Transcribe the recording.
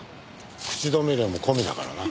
口止め料も込みだからな。